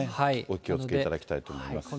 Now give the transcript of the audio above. お気をつけていただきたいと思います。